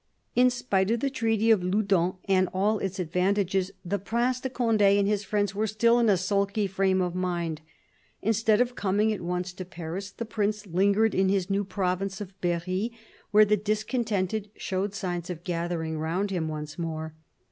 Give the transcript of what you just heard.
In spite of the treaty of Loudun and all its advantages, the Prince de Conde and his friends were still in a sulky frame of mind. Instead of coming at once to Paris, the Prince lingered in his new province of Berry, where the discontented showed signs of gathering round him once more.